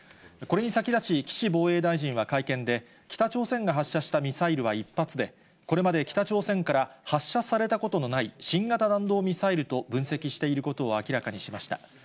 これに先立ち、岸防衛大臣は会見で、北朝鮮が発射したミサイルは１発で、これまで北朝鮮から発射されたことのない新型弾道ミサイルと分析していることを明らかにしました。